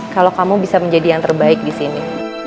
kalau kamu bisa menjadi yang terbaik disini